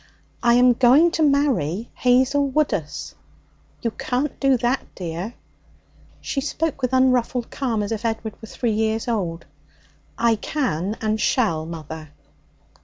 'I am going to marry Hazel Woodus.' 'You can't do that, dear,' She spoke with unruffled calm, as if Edward were three years old. 'I can, and shall mother.'